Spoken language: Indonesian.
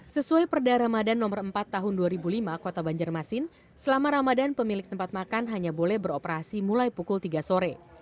sesuai perda ramadan nomor empat tahun dua ribu lima kota banjarmasin selama ramadan pemilik tempat makan hanya boleh beroperasi mulai pukul tiga sore